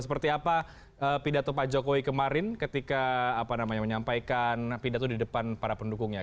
seperti apa pidato pak jokowi kemarin ketika menyampaikan pidato di depan para pendukungnya